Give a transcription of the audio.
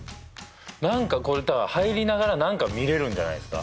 何かこれだから入りながら何か見れるんじゃないですか？